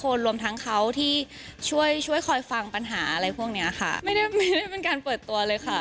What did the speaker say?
รวมทั้งเขาที่ช่วยช่วยคอยฟังปัญหาอะไรพวกเนี้ยค่ะไม่ได้ไม่ได้เป็นการเปิดตัวเลยค่ะ